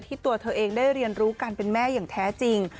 ตัวเธอเองได้เรียนรู้การเป็นแม่อย่างแท้จริง